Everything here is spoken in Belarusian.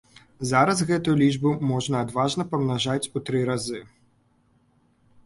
Зараз гэтую лічбу можна адважна памнажаць у тры разы.